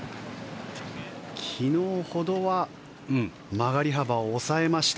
昨日ほどは曲がり幅を抑えました。